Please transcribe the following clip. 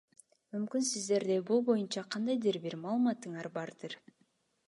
Мүмкүн сиздерде бул боюнча кандайдыр бир маалыматтарыңар бардыр?